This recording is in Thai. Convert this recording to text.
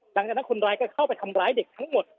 หลังจากนั้นคนร้ายก็เข้าไปทำร้ายเด็กทั้งหมด